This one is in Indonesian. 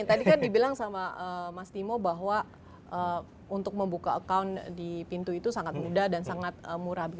tadi kan dibilang sama mas timo bahwa untuk membuka account di pintu itu sangat mudah dan sangat murah